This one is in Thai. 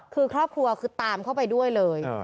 คือครอบครัวคือตามเข้าไปด้วยเลย